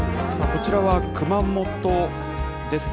こちらは熊本です。